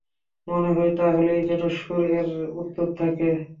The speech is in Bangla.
মনে হয়, তা হলেই যেন সুরে এর উত্তর পাবে।